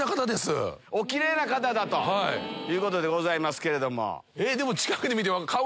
おキレイな方ということでございますけど。